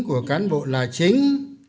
của cán bộ là chính